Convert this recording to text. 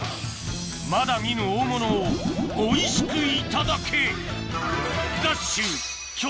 まだ見ぬ大物をおいしくいただけ！